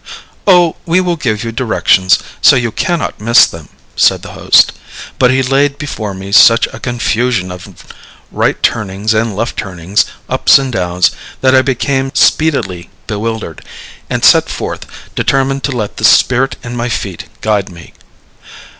"O, we will give you directions, so that you cannot miss them," said the host; but he laid before me such a confusion of right turnings and left turnings, ups and downs, that I became speedily bewildered, and set forth, determined to let the "spirit in my feet" guide me.